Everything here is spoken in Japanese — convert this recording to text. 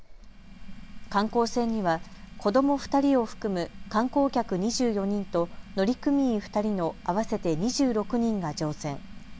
観光船には子ども２人を含む観光客２４人と乗組員２人の合わせて２６人が乗船。